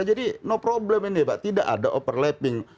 jadi no problem ini pak tidak ada overlapping